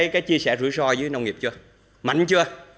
cái chia sẻ rủi ro với nông nghiệp chưa mạnh chưa